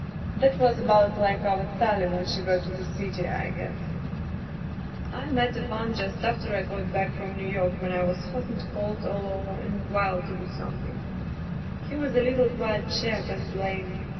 That was about like our Sally when she got to the city, I guess. ... I met Ivan just after I got back from Digitized by LjOOQ IC Martha New York when I was hot and cold all over, and wild to do something. He was a little quiet chap and lame.